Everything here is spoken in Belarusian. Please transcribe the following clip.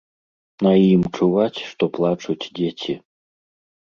На ім чуваць, што плачуць дзеці.